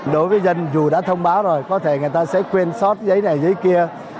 đối với dân dù đã thông báo rồi có thể người ta sẽ quên xót giấy này giấy kia